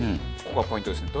ここがポイントですね。